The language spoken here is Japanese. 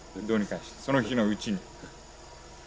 どうにかしてその日のうちに。